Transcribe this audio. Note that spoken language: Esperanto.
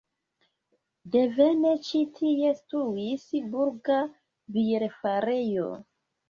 Devene ĉi tie situis burga bierfarejo.